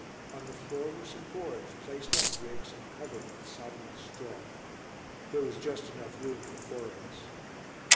On the floor were some boards, placed on bricks and covered with soddened straw. There was just enough room for four of us.